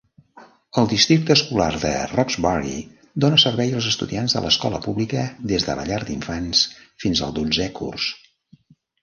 El districte escolar de Roxbury dóna servei als estudiants de l'escola pública des de la llar d'infants fins a dotzè curs.